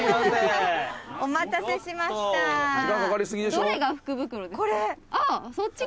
「どれが福袋ですか？」